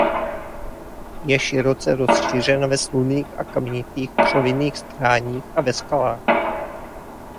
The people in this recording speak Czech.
Je široce rozšířena ve slunných a kamenitých křovinatých stráních a ve skalách.